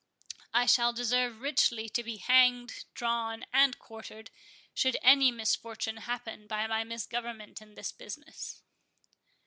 I shall deserve richly to be hanged, drawn, and quartered, should any misfortune happen by my misgovernment in this business."